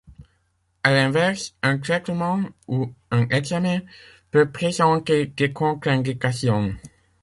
À l'inverse, un traitement ou un examen peut présenter des contre-indications.